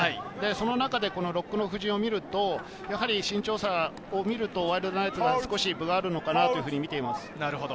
その中でロックの布陣を見ると、身長差を見ると、ワイルドナイツが少し分があるのかなと見ています。